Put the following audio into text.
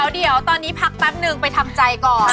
เดี๋ยวตอนนี้พักแป๊บนึงไปทำใจก่อน